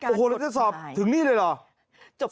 มันจะสอบถึงนี่เลยหรอ